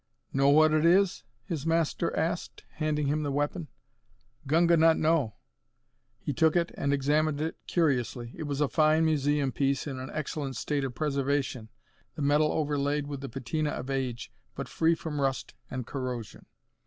"Know what it is?" his master asked, handing him the weapon. "Gunga not know." He took it and examined it curiously. It was a fine museum piece in an excellent state of preservation, the metal overlaid with the patina of age, but free from rust and corrosion.